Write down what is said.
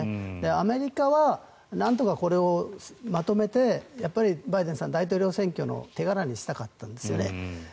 アメリカはなんとかこれをまとめてバイデンさん、大統領選挙の手柄にしたかったんですよね。